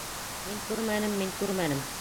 Мин күрмәнем, мин күрмәнем.